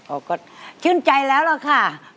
โอ้ก็ชื่นใจแล้วแล้วค่ะ